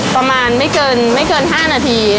ประมาณไม่เกิน๕นาที